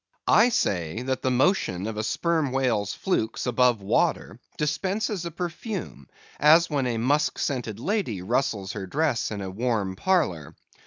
I say, that the motion of a Sperm Whale's flukes above water dispenses a perfume, as when a musk scented lady rustles her dress in a warm parlor.